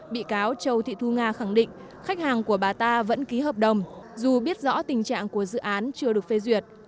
bị cáo châu thị thu nga khẳng định khách hàng của bà ta vẫn ký hợp đồng dù biết rõ tình trạng của dự án chưa được phê duyệt